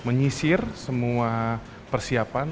menyisir semua persiapan